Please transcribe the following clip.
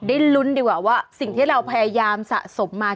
ได้ลุ้นดีกว่าว่าสิ่งที่เราพยายามสะสมมา